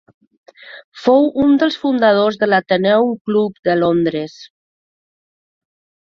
Fou un dels fundadors de l'Athenaeum Club de Londres.